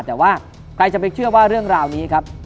แต่ว่าใครจะไปเชื่อว่าเรื่องราวนี้ครับ